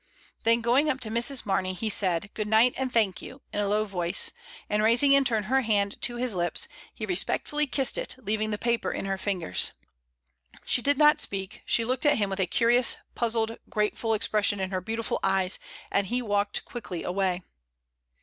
Then going up to Mrs. Marney he said "Good night and thank you'* in a low voice, and raising in turn her hand to his lips, he respectfully kissed it, leaving the paper in her fingers. She did not speak — she looked at him with a curious, puzzled, grateful ex pression in her beautiful eyes, and he walked quickly away.